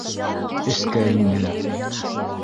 Эскә инде.